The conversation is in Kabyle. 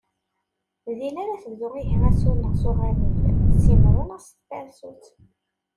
Din ara tebdu ihi asuneɣ s uɣanib, s yimru neɣ s tpansut.